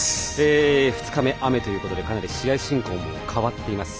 ２日目、雨ということでかなり試合進行も変わっています。